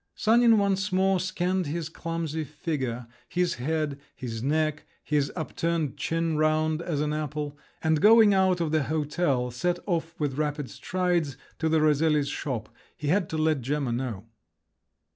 Sanin once more scanned his clumsy figure, his head, his neck, his upturned chin, round as an apple, and going out of the hotel, set off with rapid strides to the Rosellis' shop. He had to let Gemma know.